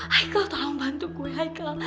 hai kal tolong bantu gue hai kal